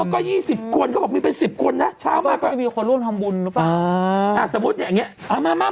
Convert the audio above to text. เขาจะมีการที่นี่บวชอุปสมบวชหมู่อย่างงี้ปะแม่